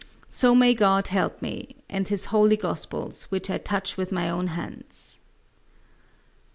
So may God help me, and his Holy Gospels which I touch with my own hands.